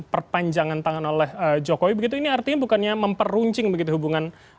perpanjangan tangan oleh jokowi begitu ini artinya bukannya memperuncing begitu hubungan